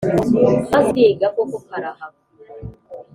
maze ndiga koko karava.